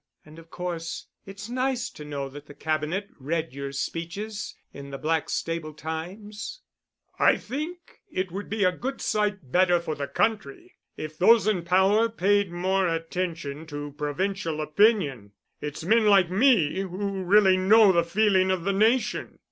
And, of course, it's nice to know that the Cabinet read your speeches in the Blackstable Times." "I think it would be a good sight better for the country if those in power paid more attention to provincial opinion. It's men like me who really know the feeling of the nation.